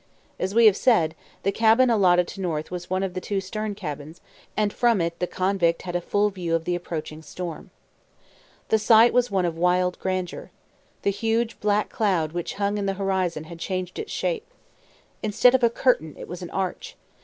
As we have said, the cabin allotted to North was one of the two stern cabins, and from it the convict had a full view of the approaching storm. The sight was one of wild grandeur. The huge, black cloud which hung in the horizon had changed its shape. Instead of a curtain it was an arch.